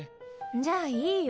じゃいいよ